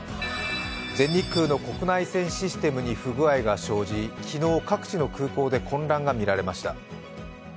全日空の国内線システムに不具合が生じ昨日、各地の空港で混乱が見られました。